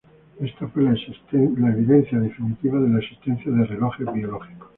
Ésta fue la evidencia definitiva de la existencia de relojes biológicos.